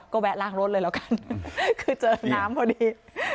ก็แวะล้างรถเลยแล้วกันคือเจอน้ำพอดี